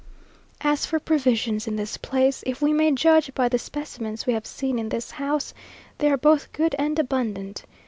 As for provisions in this place, if we may judge by the specimens we have seen in this house, they are both good and abundant.